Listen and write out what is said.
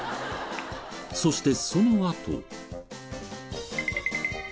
そしてそのあと。